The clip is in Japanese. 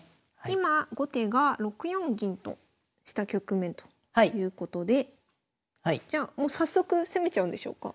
今後手が６四銀とした局面ということでじゃあもう早速攻めちゃうんでしょうか？